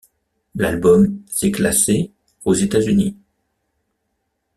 L'album s'est classé aux États-Unis.